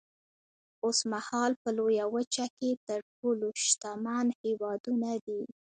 اوسمهال په لویه وچه کې تر ټولو شتمن هېوادونه دي.